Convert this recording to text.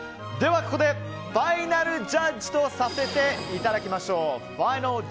では、ここでファイナルジャッジとさせていただきましょう。